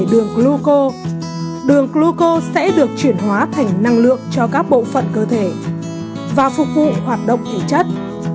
đường glucô sẽ được chuyển hóa thành năng lượng cho các bộ phận cơ thể và phục vụ hoạt động thủy chất